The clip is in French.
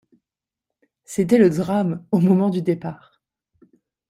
C'était le drame au moment du départ.